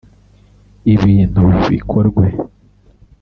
ibintu bikorwe